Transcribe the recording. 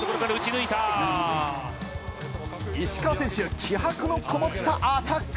石川選手、気迫のこもったアタック。